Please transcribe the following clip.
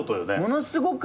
ものすごく。